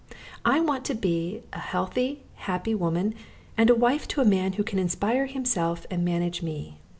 I want to be a healthy, happy woman and a wife to a man who can inspire himself and manage me.